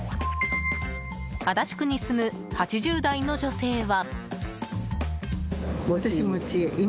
足立区に住む８０代の女性は。